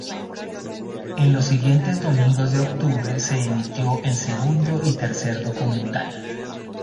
En los siguientes domingos de octubre se emitió el segundo y el tercer documental.